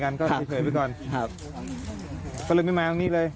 ครับไม่มา